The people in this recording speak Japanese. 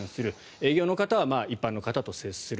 営業の方は一般の方と接する。